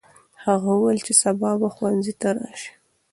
هغه وویل چې سبا به ښوونځي ته راسې.